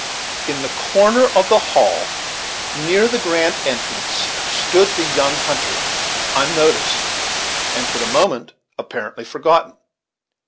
In a corner of the hall near the grand entrance stood the young hunter, unnoticed, and for the moment apparently forgotten.